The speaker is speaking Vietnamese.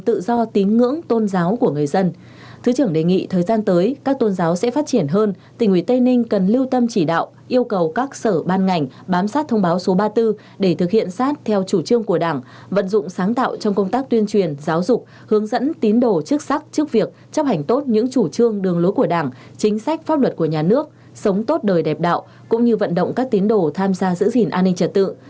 thứ trưởng đề nghị thời gian tới các tôn giáo sẽ phát triển hơn tỉnh ủy tây ninh cần lưu tâm chỉ đạo yêu cầu các sở ban ngành bám sát thông báo số ba mươi bốn để thực hiện sát theo chủ trương của đảng vận dụng sáng tạo trong công tác tuyên truyền giáo dục hướng dẫn tín đồ chức sắc trước việc chấp hành tốt những chủ trương đường lối của đảng chính sách pháp luật của nhà nước sống tốt đời đẹp đạo cũng như vận động các tín đồ tham gia giữ gìn an ninh trật tự